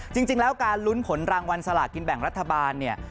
จริงแล้วการลุ้นผลรางวัลสลากินแบ่งรัฐบาลเนี่ย